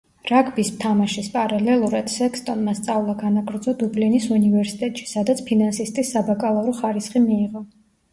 რაგბის თამაშის პარალელურად სექსტონმა სწავლა განაგრძო დუბლინის უნივერსიტეტში სადაც ფინანსისტის საბაკალავრო ხარისხი მიიღო.